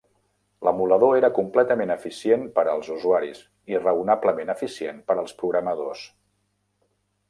L'emulador era completament eficient per als usuaris i raonablement eficient per als programadors.